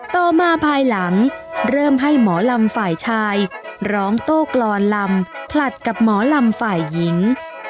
ต่อมาภายหลังเริ่มให้หมอลำฝ่ายชายร้องโต้กรอนลำผลัดกับหมอลำฝ่ายหญิง